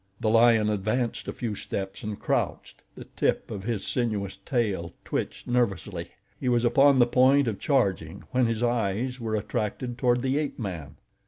The lion advanced a few steps and crouched. The tip of his sinuous tail twitched nervously. He was upon the point of charging when his eyes were attracted toward the ape man.